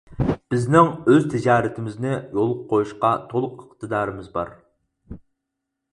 بىزنىڭ ئۆز تىجارىتىمىزنى يولغا قويۇشقا تولۇق ئىقتىدارىمىز بار.